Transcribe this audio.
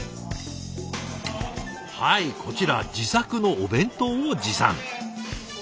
はいこちら自作のお弁当を持参。